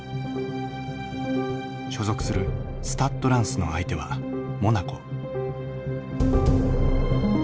所属するスタッド・ランスの相手はモナコ。